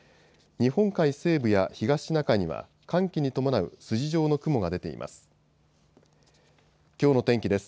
日本海西部や東シナ海には寒気に伴う筋状の雲が出ています。